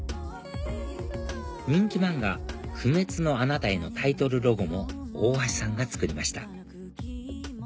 人気漫画『不滅のあなたへ』のタイトルロゴも大橋さんが作りました